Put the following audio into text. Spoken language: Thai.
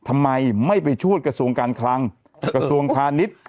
ไม่ไปช่วนกระทรวงการคลังกระทรวงคาริต